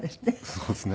そうですね。